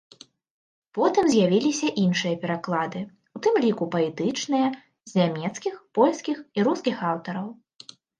Потым з'явіліся іншыя пераклады, у тым ліку паэтычныя, з нямецкіх, польскіх і рускіх аўтараў.